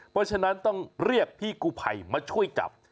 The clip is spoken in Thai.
เพราะฉะนั้นต้องเรียกพี่กูภัยมาช่วยจับ